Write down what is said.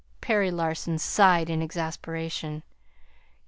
Perry Larson sighed in exasperation.